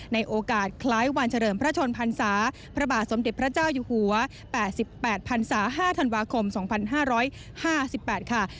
ในโอกาสคล้ายวันเฉลิมพระชนพรรษาพระบาทสมเด็จพระเจ้าอยู่หัว๘๘พันศา๕ธันวาคม๒๕๕๘ค่ะ